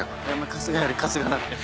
春日より春日だったよ。